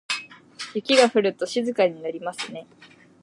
雪が降ると静かになりますね。